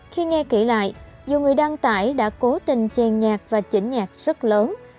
khi nghe kể lại nhiều người đăng tải đã cố tình chèn nhạc và chỉnh nhạc rất lớn